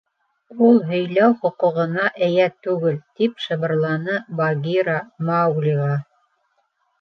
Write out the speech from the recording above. — Ул һөйләү хоҡуғына эйә түгел, — тип шыбырланы Багира Мауглиға.